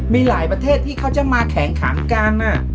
มีหลายประเทศที่เขาจะมาแข่งขันกัน